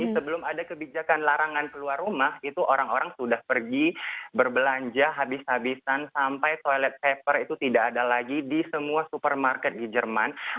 sebelum ada kebijakan larangan keluar rumah itu orang orang sudah pergi berbelanja habis habisan sampai toilet paper itu tidak ada lagi di semua supermarket di jerman